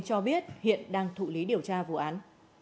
cho biết hiện đang thụ lý điều tra vụ án